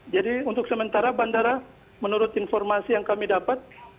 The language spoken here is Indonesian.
jadi untuk sementara bandara menurut informasi yang kami dapat